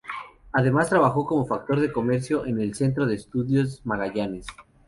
Además, trabajó como Factor de Comercio en el Centro de Estudios Magallanes.